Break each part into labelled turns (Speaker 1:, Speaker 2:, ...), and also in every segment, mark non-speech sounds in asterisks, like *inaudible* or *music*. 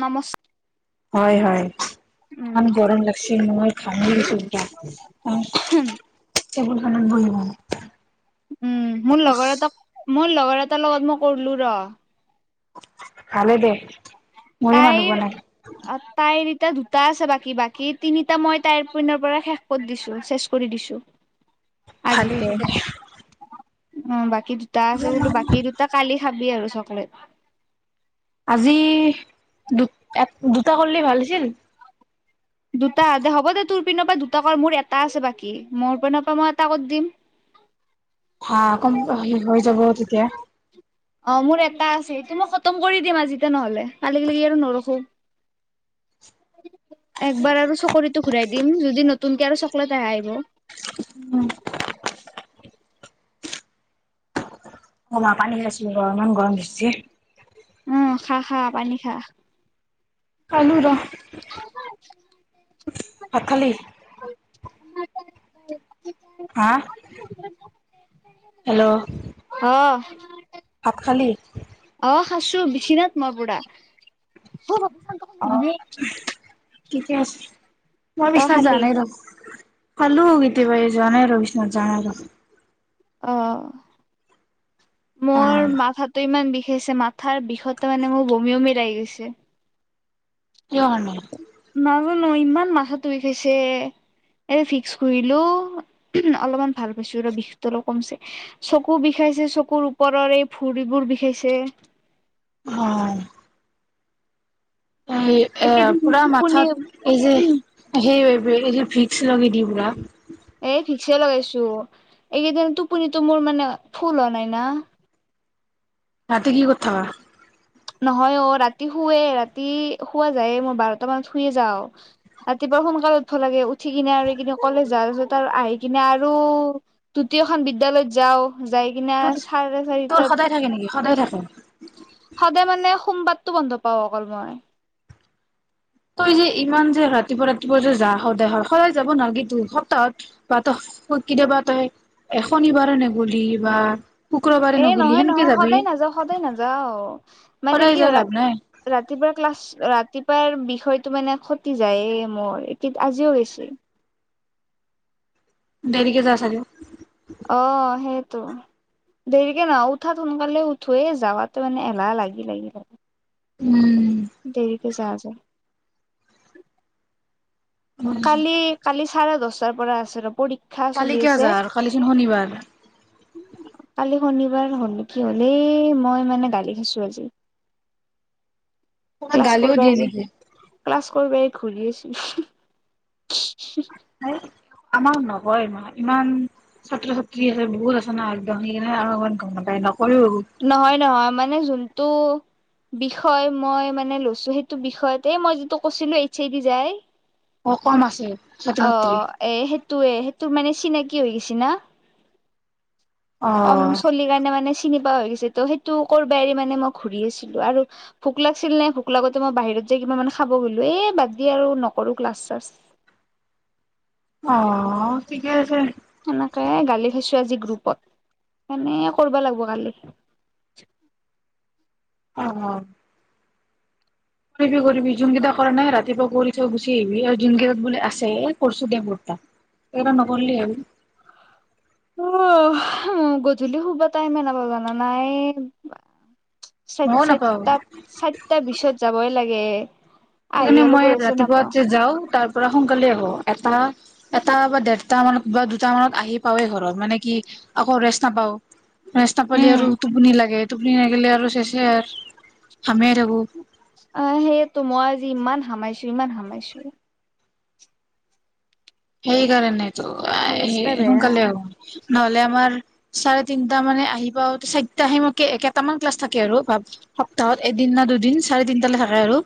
Speaker 1: নমচ
Speaker 2: হয়, হয়। ইমান গৰম লাগছিল মোৰ গামিয়ে গৈছোঁ এতিয়া। *inaudible*
Speaker 1: উম, মোৰ লগৰ এটাক, মই লগৰ এটাৰ লগত মই কৰিলো ৰ
Speaker 2: ভালে দে ময়ো মানুহ পোৱা
Speaker 1: তাইৰ
Speaker 2: নাই
Speaker 1: অ তাইৰ তাইৰ দুটা আছে বাকী, বাকী তিনিটা মই তাইৰ পিনৰ পৰা শেষ কৰি দিছো, চেচ কৰি দিছো।
Speaker 2: ভালেই
Speaker 1: আজিতে
Speaker 2: হৈছে দে
Speaker 1: অ', বাক কী দুটা আছে, বোলো বাকী দুটা কালি খাবি আৰু চকলেট
Speaker 2: আজি দু এক দুটা কৰিলেই ভাল আছিল
Speaker 1: দুটা দে হ'ব দে তোৰ পিনৰ পৰা দুটা কত মোৰ এটা আছে বাকী মোৰ পিনৰ পৰা মই এটা কত দিম,
Speaker 2: হা কম হৈ যাব তেতিয়া,
Speaker 1: অ', মোৰ এটা আছেটো মই খতম কৰি দিম আজিতে নহলে কলিক লাগি আৰু নৰখো। একবাৰ আৰু চকৰিটোঘূৰাই দিম যদি নতুনকে আৰু চকলেট আহে আহিব। *inaudible*
Speaker 2: অ', পানী খাইছো ৰ ইমান গৰম উঠশি।
Speaker 1: উম খা খা পানী। খ
Speaker 2: খাইলো ৰহ।
Speaker 1: *inaudible*
Speaker 2: ভাত খালি
Speaker 1: *inaudible*
Speaker 2: হা
Speaker 1: *unintelligible*
Speaker 2: হেল্ল'
Speaker 1: অ'।
Speaker 2: ভাত খালী?
Speaker 1: অ', খাসু বিচিনাত মই পুৰা।
Speaker 2: *unintelligible* কি কি আছে? মই
Speaker 1: তই
Speaker 2: বিছনাথ
Speaker 1: খালি
Speaker 2: জানাই ৰ। খালো কেতিয়াবাই যোৱা নাই আৰু বিশষ্নাথ যাম আৰু।
Speaker 1: অ'।
Speaker 2: অ
Speaker 1: মোৰ মাথা তো ইমান বিষায় ছে। মাথাৰ বিষতে মানে মোৰ বমি বমি লাগি গৈছে।
Speaker 2: কিয় মানে।
Speaker 1: নাজানো ইমান মাথা বিষাইছে। এই ভিক্স ঘহিলো অলপমান ভাল পাইছো ৰ বিষটো অলপ কমিছে। চকু বিষাইছে, চকুৰ ওপৰৰ এই ভুৰিবোৰ বিষাইছে।
Speaker 2: অ'। এই এ
Speaker 1: এইকেইদিন
Speaker 2: পুৰা
Speaker 1: টোপনি
Speaker 2: মাথাত এই যে সেই এই যে ভিক্স লগে দি পুৰা।
Speaker 1: এ ঠিক ভিক্সয়ে লগাইছো। এইকেইদিন টোপনিতো মোৰ মানে ফুল হোৱা নাই না।
Speaker 2: ৰাতি কি কৰি থাকা?
Speaker 1: নহয় অ ৰাতি শুুৱে ৰাতি শুৱা যায়, মই বাৰটা মানত শুইয়ে যাওঁ। ৰাতিপুৱা সোনকালে উঠিব লাগে উঠি কিনে আৰু কলেজ যাওঁ। আহি কিনে আৰু দ্বিতীয় খন বিদ্যালয়ত যাওঁ। যাই কিনে
Speaker 2: তোৰ
Speaker 1: চাৰে
Speaker 2: তোৰ
Speaker 1: চাৰিটাত-
Speaker 2: সদায় থাকে নেকি সদায় থাকে।
Speaker 1: সদায় মানে সোমবাৰতটো বন্ধ পাওঁ অকল মই।
Speaker 2: তই যে ইমান যে ৰাতিপুৱা ৰাতিপুৱা যে যায় সদায়, সদায় যাব নালাগেটো, সপ্তাহত বা কেতিয়াবা তই শনিবাৰে নগলি বা। শুক্ৰবাৰে
Speaker 1: এ
Speaker 2: নগলি
Speaker 1: নহয়
Speaker 2: সেনেকে
Speaker 1: নহয়
Speaker 2: যাবি
Speaker 1: সদায় নাযাও সদায় নাযাও, মানে
Speaker 2: সদায়
Speaker 1: কি
Speaker 2: যাই
Speaker 1: হয়
Speaker 2: লাভ নাই
Speaker 1: ৰাতিপুৱা ক্লাছ ৰাতিপুৱাৰ থৈতো মানে খতি যায়ে মোৰ এতি আজিও হৈছে।
Speaker 2: দেৰিকে যা চাগে।
Speaker 1: ত' দেৰিকে ন উঠাত সোনকালে উথুৱেই যাৱাত মানে এলাহ লাগি- লাগি থাক
Speaker 2: উম।
Speaker 1: দেৰি কে যা *inaudible* কালি- কালি চাৰে দচ তাৰ পৰা আছে ৰ পৰি
Speaker 2: কালি কিয় যা আৰু, কালিচোন শনিবাৰ।
Speaker 1: *unintelligible* নে কি হ'লে মই মানে গালি খাইছো আজি।
Speaker 2: গালিও দিয়ে নেকি।
Speaker 1: ক'ৰ বাই ঘূৰি আছি
Speaker 2: *inaudible* আমাক নকয়, ইমান ছাত্ৰ- ছাত্ৰী আছে বহুত আছে না একদম সেইকাৰণে আৰু ইমান গম নাপায়। নকয়ও
Speaker 1: নহয়- নহয় মানে যোন টো বিষয় মই মানে লৈছো, সেইটো বিষয়তে মই যিটো কৈছিলো এইচ এ দি যাই
Speaker 2: অ' কম আছে ছাত্ৰ ছাত্ৰী।
Speaker 1: টোয়ে সেইটোৰ মানে চিনাকি হৈ গৈছি না।
Speaker 2: অ
Speaker 1: কম চলি কাৰণে মানে চিনি পোৱা হৈ গৈছে ত' সেইটো কৰবা এৰি মানে মই ঘূৰি আছিলো আৰু ভোক লাগিছিল নে ভোক লাগোতে মই বাহিৰত যাই কিবা মানে খাব গ'লো এ বাদ দি আৰু নকৰো ক্লাছ চাছ।
Speaker 2: অ' ঠিকে আছে।
Speaker 1: সেনেকে গালি খাইছো আজি গ্ৰুপত, এনে কৰিব লাগব কালি।
Speaker 2: অঁ কৰিবি-কৰিবি যোনকেইটা কৰা নাই ৰাতিপুৱা কৰি থৈ গুচি আহিবি আৰু যোনকেইটাত বুলে আছে এ কৰছো দে মোৰ তাত, এইকেইটা নকৰিলে হ'ল।
Speaker 1: অ' গধূলি শুবা টাইমে নাপাও জানা না এ চই
Speaker 2: মইও নাপাওঁ
Speaker 1: ছয়তা চাৰত্তা বিছত যাবই লাগে। *inaudible*
Speaker 2: সেইকাৰণে
Speaker 1: অলপো
Speaker 2: মই
Speaker 1: ৰেষ্ট নাপাওঁ
Speaker 2: ৰাতিপুৱাতে যাওঁ, তাৰ পৰা সোনকালে আহো, এটা এটা বা দেৰটা মানত বা দুটা মানত আহি পাওৱেই ঘৰত মানে কি আকৌ ৰেষ্ট নাপাওঁ। ৰেস্ত নাপালি আৰু টোপনি লাগে। টোপনি লাগিলে আৰু শেষেই আৰ। হামিয়াই থাকো।
Speaker 1: অঁ সেইটো, মই আজি ইমান হামাইছো- ইমান হামাইছো।
Speaker 2: সেইকাৰণে ত' আই হে
Speaker 1: অৱস্থা বেয়া
Speaker 2: সোনকালে আহোঁ, নহ'লে আমাৰ চাৰে তিনটা মানে আহি পাও, চাৰিটা আহি মক এই কেইটামান ক্লাছ থাকে আৰু ভাব সপ্তাহত এদিন না দুদিন চাৰে তিনটালৈ থাকে আৰু।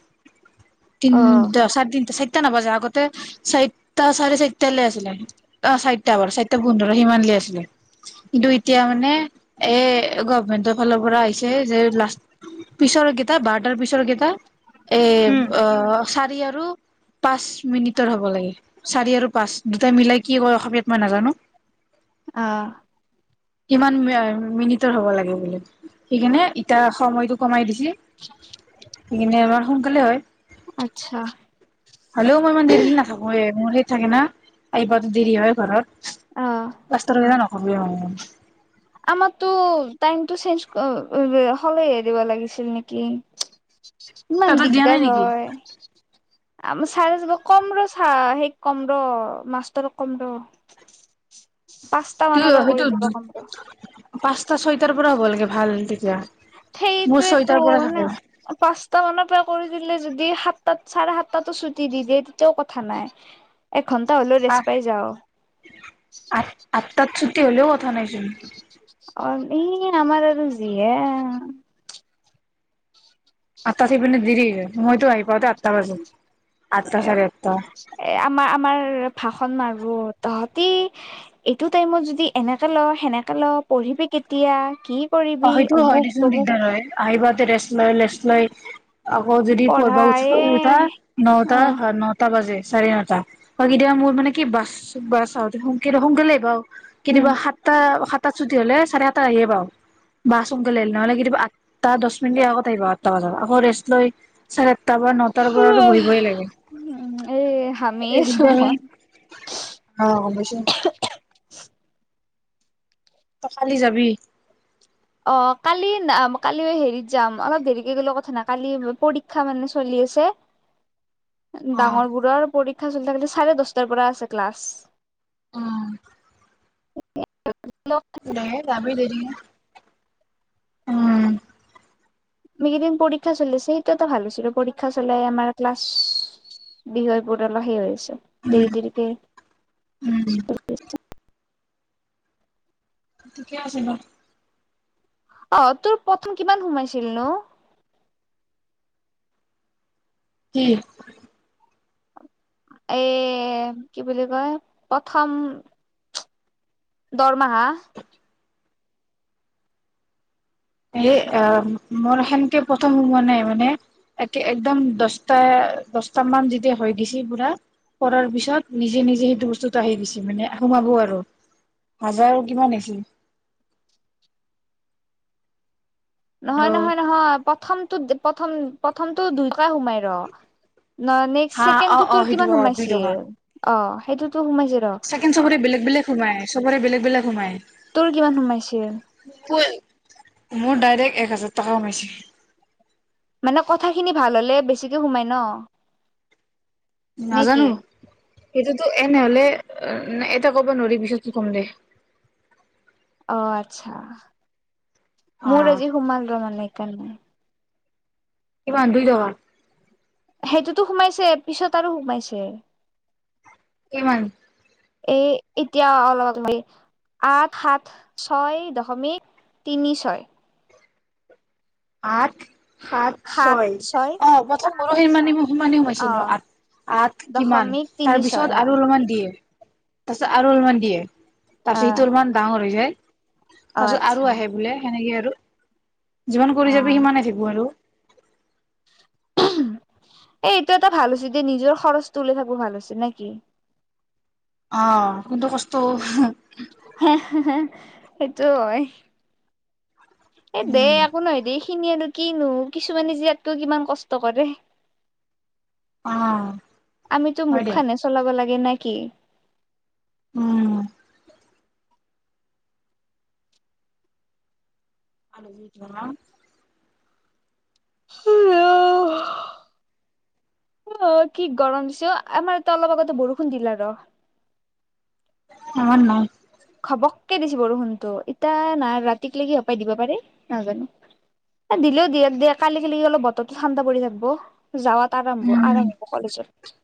Speaker 1: অ
Speaker 2: তিনতা চাৰ তিনটা চাৰ টা নবযা আগতে চাইটা চাৰে চাৰিটালেআছিলে অ চাৰিটা বাৰ চাৰিটা পোন্ধৰ সিমান লি আছিলে কিন্তু এতিয়া মানে এ গভমেন্টৰ ফালৰ পৰা আহিছে যে লাষ্ট পিছৰ কেইটা বাৰটাৰ পিছৰ কেইটা এ অ ই আৰু পাঁচ মিনিটৰ হ'ব লাগে। চাৰি আৰু পাঁচ দুটাইমিলাই কি কয় অসমীয়াত মই নাজানো।
Speaker 1: আহ।
Speaker 2: কিমান মিনিটৰ হ'ব লাগে বুলি? সেইকাৰণে ইতা সময়টো কমাই দিছ *unintelligible* লে হয়।
Speaker 1: আচ্ছা
Speaker 2: হলেও মই ইমান দেৰিলি নাথাকোয়ে। মোৰ থাকে না আহিপাওঁতে দেৰি হয় ঘৰত।
Speaker 1: অ
Speaker 2: বছ্ত ৰ য ন। অবমান।
Speaker 1: আমাৰতো টাইমটো চেঞ্জ হ'লে দিব লাগিছিল নেকি ইমান
Speaker 2: তহঁতৰ দিয়া নাই
Speaker 1: দিগদাৰ
Speaker 2: নেকি
Speaker 1: হয়। আমাৰ চাই য কম ৰ চা সেই কম ৰ' মাস্তৰক কম ৰ' পাঁচটা
Speaker 2: ত
Speaker 1: মানৰ পৰা
Speaker 2: সেইটো
Speaker 1: কৰি দিব কম।
Speaker 2: পাঁচটা ছয়টাৰ পৰা হ'ব লাগে ভাল তেতিয়া। মোৰ
Speaker 1: সেইটোয়েতো
Speaker 2: ছয়টাৰ পৰা
Speaker 1: মানে
Speaker 2: থাকে
Speaker 1: পাঁচটা মানৰ পৰা কৰি দিলে যদি, যদি সাতটাত চাৰে সাতটাতো ছুটি দি দিয়ে, তেতিয়াও কথা নাই। এঘন্টা হ'লেও
Speaker 2: আ
Speaker 1: ৰেষ্ট পাই যাওঁ
Speaker 2: আ আঠটাত ছুটি হলেও কথা নাই চোন।
Speaker 1: অ এই আমাৰ আৰু যি হে।
Speaker 2: আঠটা সেই পিনে দেৰি হৈগে। মইতো আহি পাওঁতে আঠটা বাজে আঠটা
Speaker 1: এ
Speaker 2: চাৰে আঠটা
Speaker 1: এ আমাৰ আমাৰ ভাষণ মাৰ। আৰু তহঁতি এইটো টাইমত যদি এনেকৈ লওঁ সেনেকৈ লওঁ পঢ়িবি কেতিয়া কি।
Speaker 2: অ
Speaker 1: কৰিবি
Speaker 2: হয়েইটো হয়,
Speaker 1: অমুক
Speaker 2: দেচোন
Speaker 1: তমুক
Speaker 2: দিগদাৰ হয় আহিব, ৰেষ্ট লৈ ৰেষ্ট লৈ। আকৌ যদি পঢ়িব
Speaker 1: পঢ়া
Speaker 2: উচ
Speaker 1: এ
Speaker 2: উঠাই
Speaker 1: অ
Speaker 2: নটা নটা বাজে। চাৰে নটা বা, কেতিয়াবা মোৰ মানে কি বাছ বাছ আহ সোনকালে বাৰু,
Speaker 1: উম
Speaker 2: কেতিয়াবা সাতটা সাতটা ছুটি হলে চাৰে সাতটা আহে বাৰু। বাছ সোনকালে আহিল। নহ'লে কেতিয়াবা আঠটা দহ মিনিট আগত আহিব আঠটা বজাত। আকৌ ৰেষ্ট লৈ চাৰে আ, তাৰ পৰা নটাৰ পৰা আৰু বহিবই লাগে।
Speaker 1: উম এই হামি আছো
Speaker 2: একদ
Speaker 1: মই
Speaker 2: অ অবশ্যে
Speaker 1: *unintelligible*
Speaker 2: তই খালি যাবি।
Speaker 1: অ কালি ন কালি হেৰিত যাম, অলপ দেৰিকে গলে কথা নাই কালি পৰীক্ষা মানে চলি আছে।
Speaker 2: অ
Speaker 1: ডাঙৰবোৰৰ পৰীক্ষা চলি থাকিলেচো, চাৰে দহটাৰ পৰা আছে ক্লাছ।
Speaker 2: অহ ', এই যাপি দেৰি ন *unintelligible* উম,
Speaker 1: সেইকেইদিন পৰীক্ষা চলি আছে। সেইটোতো ভাল আছিলো পৰীক্ষা চলাই আমাৰ ক্লাছ বিষয়বোৰ অলপ সেৰি হৈ আছে।
Speaker 2: উম
Speaker 1: দেৰি দেৰিকে।
Speaker 2: উম কেতিয়া আছেনো?
Speaker 1: অহ ', তোৰ প্ৰথম কিমান সোমাইছিল নো?
Speaker 2: কি?
Speaker 1: এই কি বুলি কয় প্ৰথম দৰমাহা।
Speaker 2: এই আহ, মোৰ সেনকে প্ৰথম সোমোৱা নাই মানে, একে একদম দশটা দশটা মান যেতিয়া হৈ দিছে পুৰা কৰাৰ পিছত নিজে- নিজে সেইটো বস্তুটো আহি দিছে মানে সোমাব আৰু। হাজাৰ কিমান আহছিল।
Speaker 1: নহয়- নহয় -নহয় প্ৰথমটো প্ৰথম প্ৰথমটো দুইশ সোমাই ৰ। ন নেক্স
Speaker 2: হা অ
Speaker 1: চছেকেণ্ডটো
Speaker 2: অ
Speaker 1: তোৰ
Speaker 2: সেইটো
Speaker 1: কিমান
Speaker 2: অ দুই টকা
Speaker 1: সোমাইছিল? অহ ', সেইটোত
Speaker 2: ছেকেণ্ড চবৰে বেলেগ- বেলেগ সোমাই চবৰে বেলেগ - বেলেগ। সোমায়।
Speaker 1: কিমান সোমাইছিল?
Speaker 2: মোৰ ডাইৰেক্ট এক হাজাৰ টকা সোমাইছে।
Speaker 1: মানে কথাখিনি ভাল হলে বেছিকে সোমাই ন। নে কি
Speaker 2: নাজানো। সেইটোতো এনেহলে এটা ক'ব নোৱাৰি পিছততো কম দে।
Speaker 1: অহ ', আচ্ছা।
Speaker 2: অ
Speaker 1: মোৰ আজি সোমাল টো মানে সেই কাৰণে।
Speaker 2: কি বান্ধি ল
Speaker 1: সেইটোতো সোমাইছে পিছত আৰু সোমাইছে।
Speaker 2: কিমান?
Speaker 1: এই, এতিয়া অলপ *unintelligible* আঠ সাত ছয় দশমিক তিনি ছয়।
Speaker 2: আঠ সাত ছয় অহ ', প্রথম। ম সেই মানিব। সিমানে সোমাইছে
Speaker 1: অ
Speaker 2: ন আঠ- আঠ কিমান
Speaker 1: দশমিক তিনি
Speaker 2: তাৰপিছত
Speaker 1: ছয় অ
Speaker 2: আৰু অলপমান দিয়ে। তাৰ পিছত আৰু অলপমান দিয়ে। তাৰ
Speaker 1: অ
Speaker 2: সিটোৰ ইমান ডাঙৰ হৈ যায়। *inaudible*
Speaker 1: অ
Speaker 2: তাৰ পিছত
Speaker 1: আচ্ছা
Speaker 2: আৰু আহে বোলে সেনেকে। হ *unintelligible* যিমান
Speaker 1: অ
Speaker 2: কৰি যাবি সিমানে থাকিব আৰু।
Speaker 1: এই এইটো এটা ভাল হৈছে যে নিজৰ খৰচ তুলি থাকো ভাল হৈছে নেকি?
Speaker 2: অ' কোনটো কষ্ট।
Speaker 1: হ হ *unintelligible* সেইটো হয়। এ দে
Speaker 2: উম
Speaker 1: একো নহয় দি। খিনি আৰু কিনো কিছুমানে জীয়াতকৈ কিমান কষ্ট কৰে।
Speaker 2: অ
Speaker 1: আমিতো
Speaker 2: হয় দে
Speaker 1: মুখখানে চলাব লাগে। ল নেকি?
Speaker 2: উম আল বট না *unintelligible*
Speaker 1: আহ কি গৰম দিছে অ আমাৰ এ অলপ আগতে বৰষুণ দিল ৰ।
Speaker 2: অন *unintelligible*
Speaker 1: ঘ্পকে দিছে বৰষুনটো ইতা নাই ৰাতিকলৈকি সপাই দিব পাৰি নহয় জানো দিলেও দিয় দিয়া কালিলি অলপ বতৰটো ঠাণ্ডা পৰি থাকিব। যাৱাত আৰম্ভ
Speaker 2: উম
Speaker 1: আৰম্ভ কলেজত,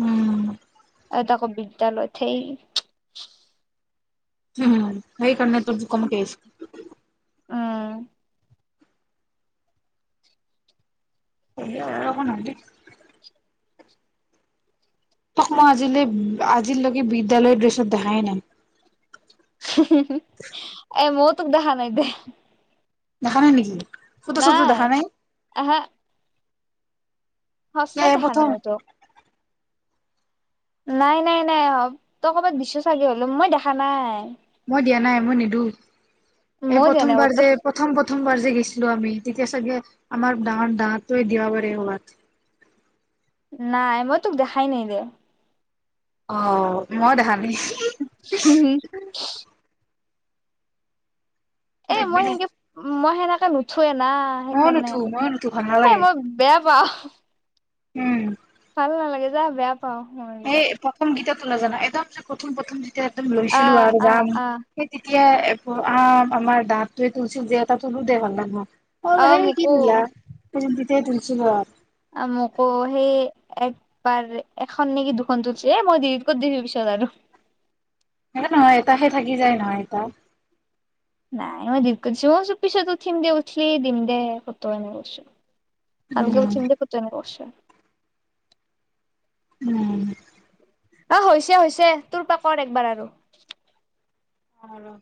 Speaker 2: উম
Speaker 1: এটা ক বিদ্যালয় থেই।
Speaker 2: উম। সেই কাৰণে কমকে আহিছে।
Speaker 1: উম।
Speaker 2: এ নি *unintelligible* তোক মই আজিলৈ আজিলৈকে বিদ্যালয়ৰ ড্ৰেছত দেখাই নাই।
Speaker 1: এ, মোৰ তোক দেখা নাই দে।
Speaker 2: দেখা নাই নেকি? ফটো চটো
Speaker 1: নাই
Speaker 2: দেখা
Speaker 1: ', এ'হে সঁচাই
Speaker 2: এই
Speaker 1: দেখা
Speaker 2: প্ৰথম
Speaker 1: নাই মই তোক। নাই, নাই, নাই অ তই কৰ'বাত দিছ চাগে, হলো মই দেখা নাই।
Speaker 2: মই দিয়া নাই, মই নিদো। এই,
Speaker 1: মই দিয়া নাই
Speaker 2: প্ৰথমবাৰ
Speaker 1: ক'তো
Speaker 2: যে, প্ৰথম প্ৰথমবাৰ যে গৈছিলো আমি, তেতিয়া চাগে আমাৰ ডাঙৰ-ডাঙৰটোৱে দিয়া পাৰে, কৰ'বাত।
Speaker 1: নাই, মই তোক দেখাই নাই দে।
Speaker 2: অ', মই দেখা নাই।
Speaker 1: হম। এ,
Speaker 2: দেখবি
Speaker 1: মই
Speaker 2: দে
Speaker 1: সেনকে মই সেনেকে নুঠ য়ে না
Speaker 2: ময়ো
Speaker 1: সেইকাৰণে,
Speaker 2: নুঠো ময়ো নুঠো ভাল
Speaker 1: এ
Speaker 2: নালাগে।
Speaker 1: মই বেয়া পাওঁ।
Speaker 2: উম।
Speaker 1: ভাল নালাগে যা বেয়া পাওঁ মই বিৰাট।
Speaker 2: চলে যানা একদম যে প্ৰথম প্ৰথম এতিয়া একদম লৈছিলোঁ
Speaker 1: আহ
Speaker 2: আৰু
Speaker 1: আহ
Speaker 2: যাম,
Speaker 1: আহ
Speaker 2: সেই এতিয়া আমাৰ দাতয়ে তুলছিল যে এ তুলো দে ভাল লাগবো। অ', সেই *unintelligible* সেই তুলছিলোঁ আ
Speaker 1: অ', মোকো সেই একবাৰ এখন নেকি দুখন তুলছি এ মই ডিলিট কৰি দিছোঁ পিছত আৰু।
Speaker 2: সে নহয়, এটাহে থাকি যায় নহয়, এটা।
Speaker 1: নাই, মই ডিলিট কৰি দিছোঁ, মই পিছত উঠিম দে উঠি এ দিম দে ফটো এনেকে কৈছো।
Speaker 2: উম।
Speaker 1: ভালকে *unintelligible*
Speaker 2: উম।
Speaker 1: অহ, হৈছে হৈছে, তোৰ পা কৰ একবাৰ আৰু।
Speaker 2: অ', ৰ'।